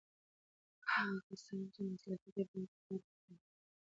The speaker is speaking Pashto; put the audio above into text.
هغه کسان چې مسلکي دي باید په کار وګمـارل سي.